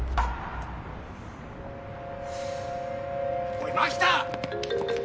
おい蒔田！